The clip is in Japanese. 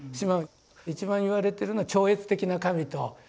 一番言われてるのは超越的な神ということですね。